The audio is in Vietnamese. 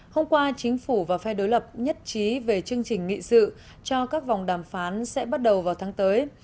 hôm qua chính phủ và phe đối lập nhất trí về chương trình nghị sự cho các vòng đàm phán sẽ bắt đầu vào tháng tới